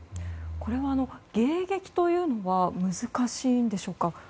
これは迎撃というのは難しいのでしょうか。